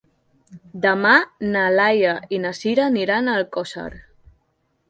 Demà na Laia i na Sira aniran a Alcosser.